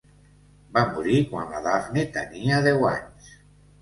Va morir quan la Daphne tenia deu anys.